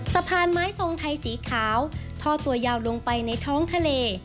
สะพานไม้ทรงไทยสีขาวท่อตัวยาวลงไปในท้องทะเล